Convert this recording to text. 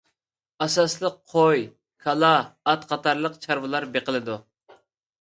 ئاساسلىق قوي، كالا، ئات قاتارلىق چارۋىلار بېقىلىدۇ.